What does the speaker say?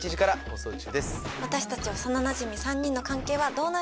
私たち幼なじみ３人の関係はどうなるのか？